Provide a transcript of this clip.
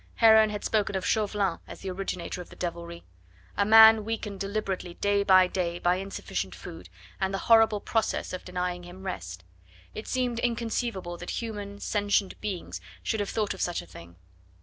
Heron had spoken of Chauvelin as the originator of the devilry; a man weakened deliberately day by day by insufficient food, and the horrible process of denying him rest. It seemed inconceivable that human, sentient beings should have thought of such a thing.